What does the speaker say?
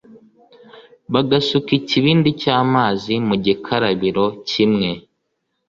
Bagasuka ikibindi cy'amazi mu gikarabiro kimwe,